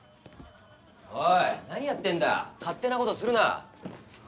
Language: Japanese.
おい何やってんだ勝手なことするな。